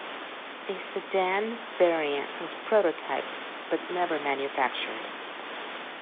A sedan variant was prototyped but never manufactured.